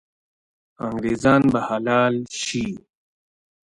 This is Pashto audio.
انګریزان به حلال سي.